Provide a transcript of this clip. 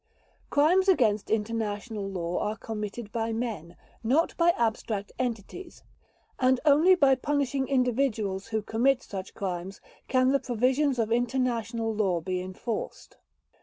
Crimes against international law are committed by men, not by abstract entities, and only by punishing individuals who commit such crimes can the provisions of international law be enforced.